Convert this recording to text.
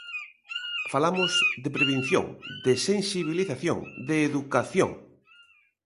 Falamos de prevención, de sensibilización, de educación.